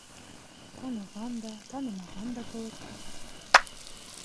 Таныған да, танымаған да кеүек.